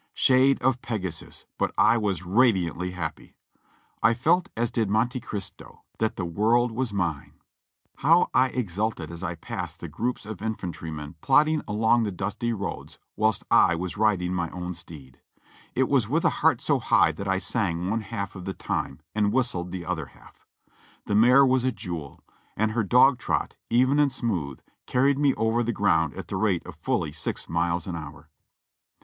Shade of Pegasus, but I was radiantly happy! I felt as did Monte Cristo, "that the world was mine."" How I exulted as I passed the groups of infantrymen plodding along the dusty roads whilst I was riding my own steed. It was with a heart so high that I sang one half of the time and whistled the other half. The mare was a jewel, and her dog trot, even and smooth, carried me over the ground at the rate of fully six miles an hour.